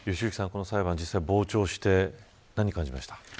この裁判、実際に傍聴して何を感じました。